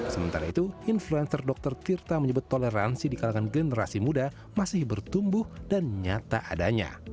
sementara itu influencer dr tirta menyebut toleransi di kalangan generasi muda masih bertumbuh dan nyata adanya